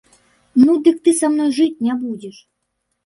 Ну, дык ты са мной жыць не будзеш.